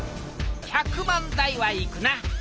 １００万台はいくな。